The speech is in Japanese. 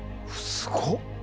すごっ。